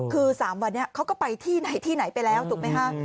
คือ๓วันนี้เขาก็ไปที่ไหนไปแล้วถูกไหม